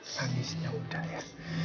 lagi senyum dah ya